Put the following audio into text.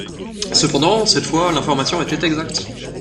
Cependant, cette fois, l'information était exacte.